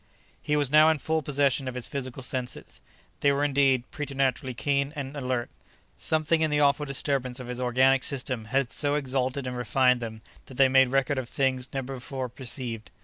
He was now in full possession of his physical senses. They were, indeed, preternaturally keen and alert. Something in the awful disturbance of his organic system had so exalted and refined them that they made record of things never before perceived.